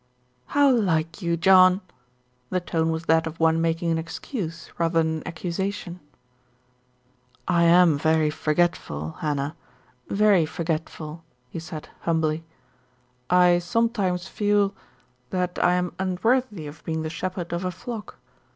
"How like you, John." The tone was that of one making an excuse rather than an accusation. "I am very forgetful, Hannah, very forgetful," he said humbly. "I sometimes feel that I am unworthy of being the shepherd of a flock.